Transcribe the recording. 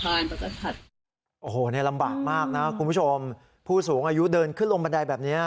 โอ้โหนี่ลำบากมากนะคุณผู้ชมผู้สูงอายุเดินขึ้นลงบันไดแบบนี้